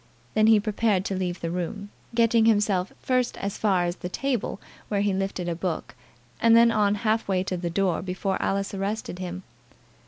Then he prepared to leave the room, getting himself first as far as the table, where he lifted a book, and then on half way to the door before Alice arrested him.